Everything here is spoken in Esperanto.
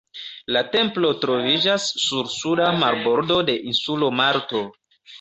La templo troviĝas sur suda marbordo de insulo Malto.